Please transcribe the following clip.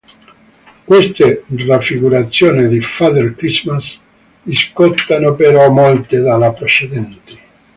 Queste raffigurazioni di Father Christmas discostano però molto dalla precedenti.